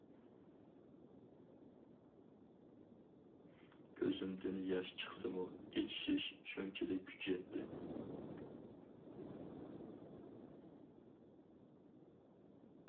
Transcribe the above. كۆزۈمدىن ياش چىقسىمۇ ئىچىشىش شۇنچىلىك كۈچىيەتتى.